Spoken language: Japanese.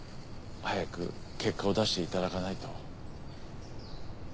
早く結果を出していただかないと。